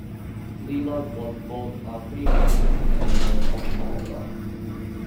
Leluk was both a freemason and a Knight of Malta.